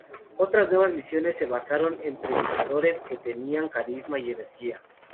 Otras nuevas misiones se basaron en predicadores que tenían carisma y energía.